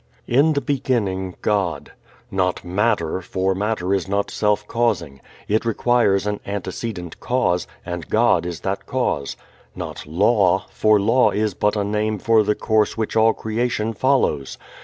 "In the beginning God." Not matter, for matter is not self causing. It requires an antecedent cause, and God is that Cause. Not law, for law is but a name for the course which all creation follows.